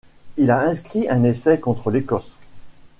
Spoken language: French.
Il a inscrit un essai contre l'Écosse.